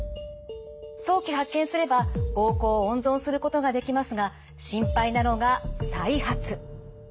早期発見すれば膀胱を温存することができますが心配なのが再発。